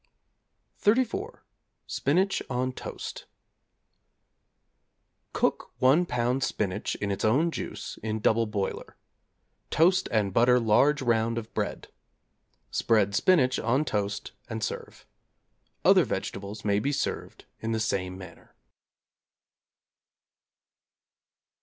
=34. Spinach on Toast= Cook 1 lb. spinach in its own juice in double boiler. Toast and butter large round of bread. Spread spinach on toast and serve. Other vegetables may be served in the same manner.